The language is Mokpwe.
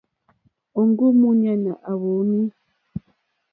Òŋɡó múɲánà à wùùnî.